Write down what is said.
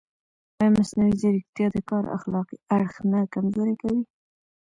ایا مصنوعي ځیرکتیا د کار اخلاقي اړخ نه کمزوری کوي؟